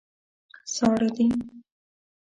ساړه دي.